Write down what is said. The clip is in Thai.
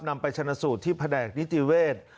นำไปชนะสูตรที่แผนกนิติเวศ